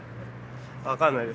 分かんないです。